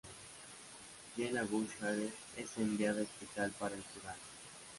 Jenna Bush Hager es enviada especial para el programa.